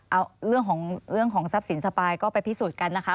เอาเรื่องของทรัพย์สินสปายก็ไปพิสูจน์กันนะคะ